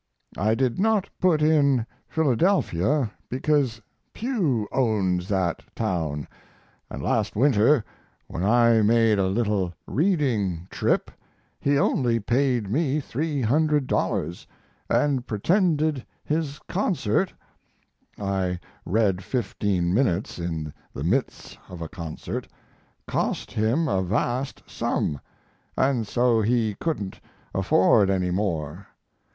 I did not put in Philadelphia because Pugh owns that town, and last winter, when I made a little reading trip, he only paid me $300, and pretended his concert (I read fifteen minutes in the midst of a concert) cost him a vast sum, and so he couldn't afford any more.